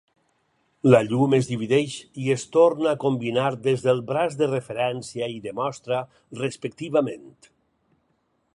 La llum es divideix i es torna a combinar des del braç de referència i de mostra, respectivament.